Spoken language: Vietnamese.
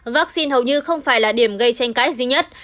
vaccine hầu như không phải là điểm gây tranh cãi duy nhất